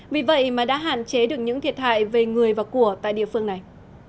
vì vậy mà đã hạn chế được những thiệt hại về người và của tại địa phương này